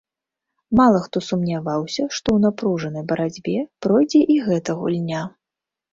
Мала хто сумняваўся, што ў напружанай барацьбе пройдзе і гэта гульня.